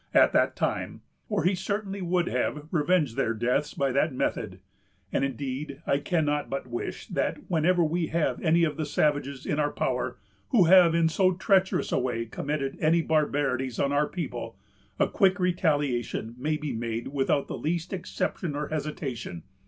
at that time, or he certainly would have revenged their deaths by that method; and, indeed, I cannot but wish that whenever we have any of the savages in our power, who have in so treacherous a way committed any barbarities on our people, a quick retaliation may be made without the least exception or hesitation.